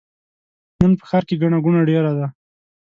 نن په ښار کې ګڼه ګوڼه ډېره ده.